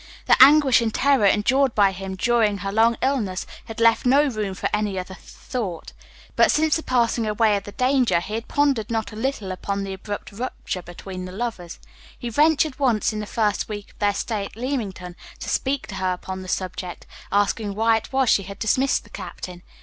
The anguish and terror endured by him during her long illness had left no room for any other thought; but since the passing away of the danger he had pondered not a little upon the abrupt rupture between the lovers. He ventured once, in the first week of their stay at Leamington, to speak to her upon the subject, asking why it was she had dismissed the captain.